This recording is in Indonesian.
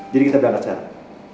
jadi kita berangkat sekarang